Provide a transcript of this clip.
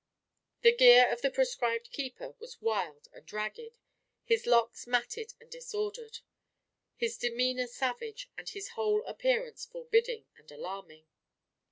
The gear of the proscribed keeper was wild and ragged, his locks matted and disordered, his demeanour savage, and his whole appearance forbidding and alarming.